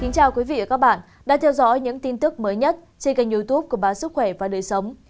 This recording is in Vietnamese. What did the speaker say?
chào các bạn đã theo dõi những tin tức mới nhất trên kênh youtube của bản sức khỏe và đời sống